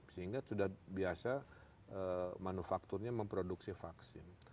sehingga sudah biasa manufakturnya memproduksi vaksin